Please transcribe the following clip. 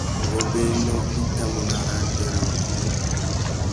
Ngôbēnô i tà mú nà arrātê râ wabunda .